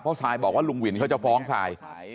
เพราะซายบอกว่าลุงวินเขาจะฟ้องทราย